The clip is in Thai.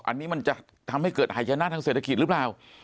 อันนี้มันจะทำให้เกิดหายชนะทางเศรษฐกิจหรือเปล่า